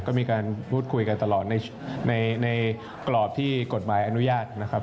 ก็มีการพูดคุยกันตลอดในกรอบที่กฎหมายอนุญาตนะครับ